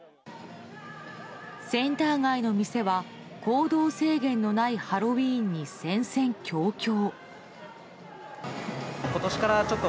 センター街の店は行動制限のないハロウィーンに戦々恐々。